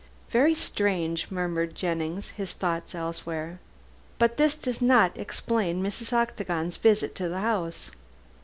"Very strange," murmured Jennings, his thoughts elsewhere, "but this does not explain Mrs. Octagon's visit to the house."